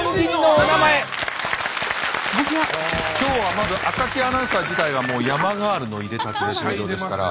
今日はまず赤木アナウンサー自体がもう山ガールのいでたちで登場ですから。